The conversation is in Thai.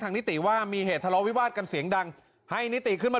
นิติว่ามีเหตุทะเลาวิวาสกันเสียงดังให้นิติขึ้นมา